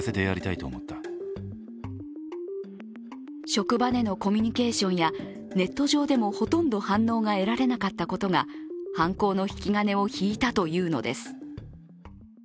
職場でのコミュニケーションやネット上でもほとんど反応が得られなかったことが犯行の引き金を引いたというのです。